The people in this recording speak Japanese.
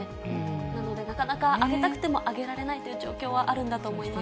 なので、なかなか挙げたくても挙げられないという状況はあるんだと思います。